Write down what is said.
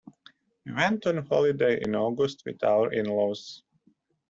We went on holiday in August with our in-laws.